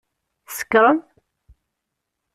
Tsekṛem?